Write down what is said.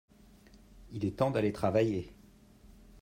il est temps d'aller travailler.